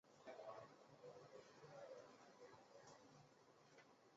工人革命党是秘鲁的一个托洛茨基主义政党。